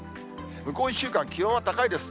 向こう１週間、気温は高いです。